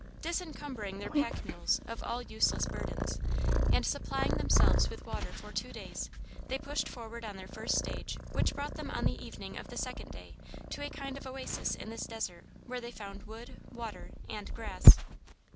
Disencumbering their pack mules of all useless burdens and supplying themselves with water for two days, they pushed forward on their first stage which brought them on the evening of the second day to a kind of oasis in this desert where they found wood, water, and grass.